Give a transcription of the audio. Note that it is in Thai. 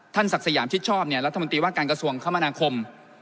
ศักดิ์สยามชิดชอบเนี่ยรัฐมนตรีว่าการกระทรวงคมนาคม